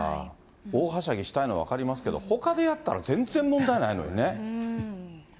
大はしゃぎしたいのは分かりますけど、ほかでやったら全然問題ないのにね。